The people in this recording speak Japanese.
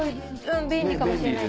便利かもしれない。